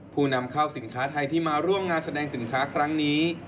ผู้นำเข้าสินค้าไทยที่มาร่วมงานแสดงสินค้าครั้งนี้